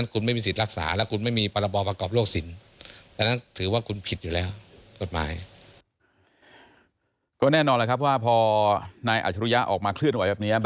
ก็แน่นอนแหละครับว่าพอนายอาชารุยะออกมาเคลื่อนไหวแบบนี้